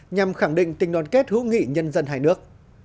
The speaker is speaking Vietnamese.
nhằm khẳng định tình đoàn kết hữu nghị nhân dân hai nước